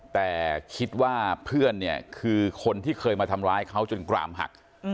แต่คิดว่าเพื่อนเนี่ยคือคนที่เคยมาทำร้ายเขาจนกรามหัก